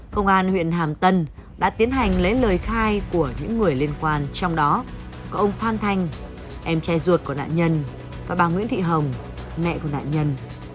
công an huyện hàm tân đã tiến hành lấy lời khai của những người liên quan trong đó có ông phan thanh em trai ruột của nạn nhân và bà nguyễn thị hồng mẹ của nạn nhân